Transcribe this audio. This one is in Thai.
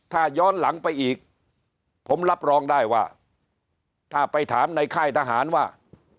ถ้าย้อนหลังไปอีกผมรับรองได้ว่าถ้าไปถามในค่ายทหารว่า